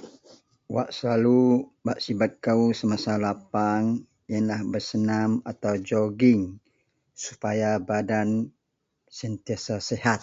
. Wak selalu bak sibet kou semasa lapang yenlah besenam atau jogging supaya badan sentiasa sihat